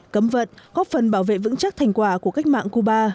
cấm vận góp phần bảo vệ vững chắc thành quả của cách mạng cuba